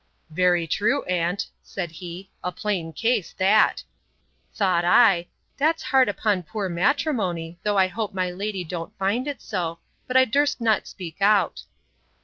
'—Very true, aunt, said he: A plain case that!—[Thought I, that's hard upon poor matrimony, though I hope my lady don't find it so. But I durst not speak out.